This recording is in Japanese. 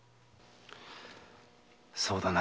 そうだな。